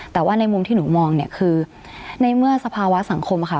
แต่ว่าในมุมที่หนูมองเนี่ยคือในเมื่อสภาวะสังคมค่ะ